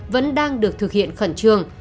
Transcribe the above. vẫn đang được thực hiện khẩn trường